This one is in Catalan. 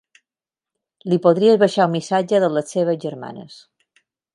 Li podries baixar un missatge de les seves germanes.